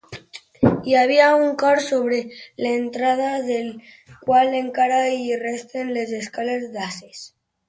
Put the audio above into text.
Hi havia un cor sobre l'entrada, del qual encara hi resten les escales d'accés.